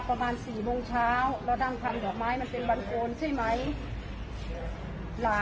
ได้ว่าสี่ครั้งแต่เกิดมาเรื่อยเรื่อยมีมห่างอยู่สองสามสี่นี่แหละ